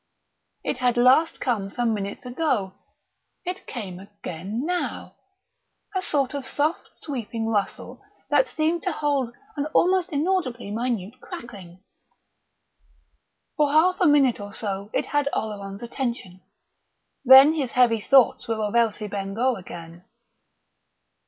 It had last come some minutes ago; it came again now a sort of soft sweeping rustle that seemed to hold an almost inaudibly minute crackling. For half a minute or so it had Oleron's attention; then his heavy thoughts were of Elsie Bengough again.